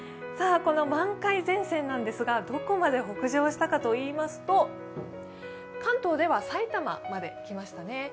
この満開前線なんですが、どこまで北上したかといいますと、関東では埼玉まで来ましたね。